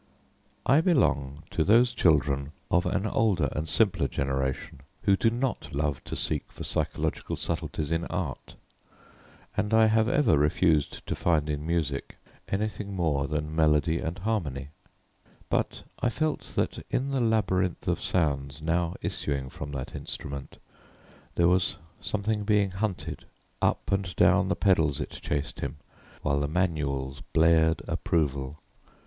I belong to those children of an older and simpler generation who do not love to seek for psychological subtleties in art; and I have ever refused to find in music anything more than melody and harmony, but I felt that in the labyrinth of sounds now issuing from that instrument there was something being hunted. Up and down the pedals chased him, while the manuals blared approval.